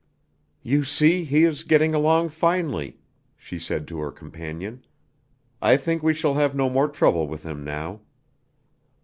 "You see, he is getting along finely," she said to her companion. "I think we shall have no more trouble with him now."